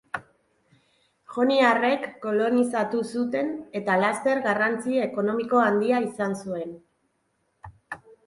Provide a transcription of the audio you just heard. Joniarrek kolonizatu zuten eta laster garrantzi ekonomiko handia izan zuen.